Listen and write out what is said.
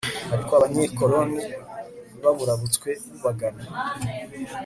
ariko abanyekironi baburabutswe bubagana